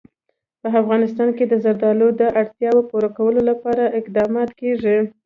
په افغانستان کې د زردالو د اړتیاوو پوره کولو لپاره اقدامات کېږي.